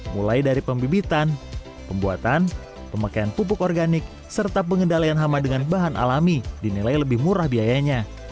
mulai dari pembibitan pembuatan pemakaian pupuk organik serta pengendalian hama dengan bahan alami dinilai lebih murah biayanya